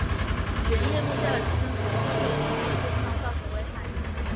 圆叶目下的寄生虫会对人畜的健康造成危害。